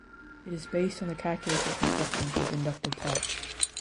It is based on the calculus of constructions with inductive types.